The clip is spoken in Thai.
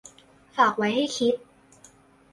ฝากไว้ให้คิด